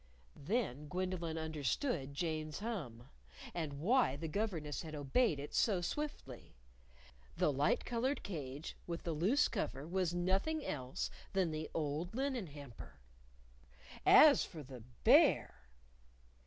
_" Then Gwendolyn understood Jane's hum! And why the governess had obeyed it so swiftly. The light colored cage with the loose cover was nothing else than the old linen hamper! As for the Bear